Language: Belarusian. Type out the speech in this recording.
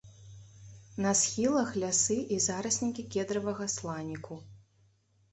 На схілах лясы і зараснікі кедравага сланіку.